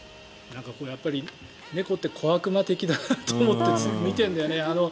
やっぱり猫って小悪魔的だなと思って見ているんだよね。